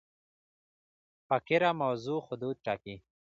فقره د موضوع حدود ټاکي.